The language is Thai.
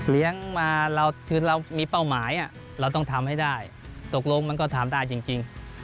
มาคือเรามีเป้าหมายเราต้องทำให้ได้ตกลงมันก็ทำได้จริง